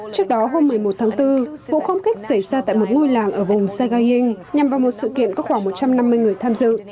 trước đó hôm một mươi một tháng bốn vụ không kích xảy ra tại một ngôi làng ở vùng sagayng nhằm vào một sự kiện có khoảng một trăm năm mươi người tham dự